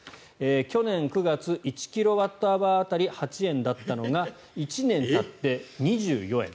去年９月１キロワットアワー当たり８円だったのが１年たって２４円。